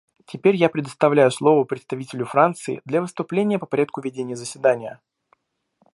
Теперь я предоставляю слово представителю Франции для выступления по порядку ведения заседания.